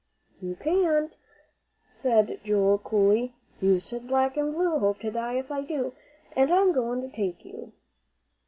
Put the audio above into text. "You can't," said Joel, coolly; "you said 'Black an blue hope to die if I do,' and I'm goin' to take you."